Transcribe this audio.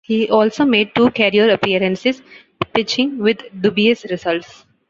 He also made two career appearances pitching with dubious results.